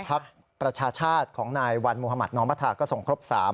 ภาคประชาชาติของนายวันมหมาตนอมภาษาก็ส่งครบ๓